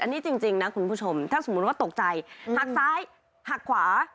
อันนี้จริงนะคุณผู้ชมถ้าสมมุติว่าตกใจหักซ้ายหักขวา